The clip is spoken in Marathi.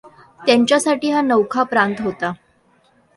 त्यांच्यासाठी हा नवखा प्रांत होता.